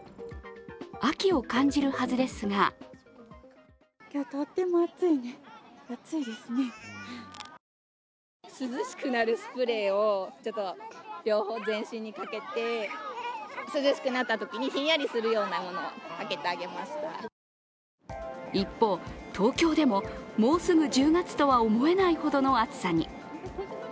秋を感じるはずですが一方東京でも、もうすぐ１０月とは思えないほどの暑さに。